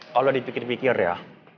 kalau dipikir pikir ya